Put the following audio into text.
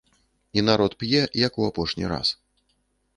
І народ п'е, як у апошні раз.